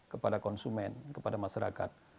kepada konsumen kepada masyarakat